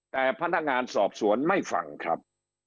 แต่พนักงานสอบสวนไม่ฟังครับ